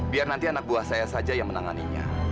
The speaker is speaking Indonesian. biar nanti anak buah saya saja yang menanganinya